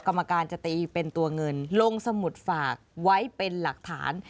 กรรมการจะตีเป็นตัวเงินลงสมุดฝากไว้เป็นหลักฐาน